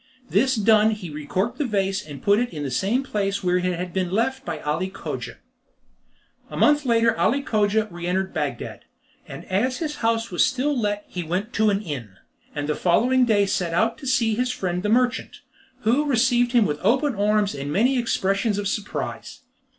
This done he recorked the vase and put it in the same place where it had been left by Ali Cogia. A month later Ali Cogia re entered Bagdad, and as his house was still let he went to an inn; and the following day set out to see his friend the merchant, who received him with open arms and many expressions of surprise.